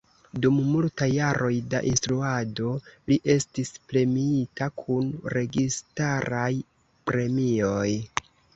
Dum multaj jaroj da instruado li estis premiita kun registaraj premioj.